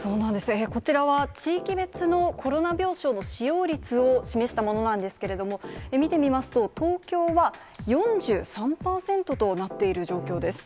こちらは、地域別のコロナ病床の使用率を示したものなんですけれども、見てみますと、東京は４３％となっている状況です。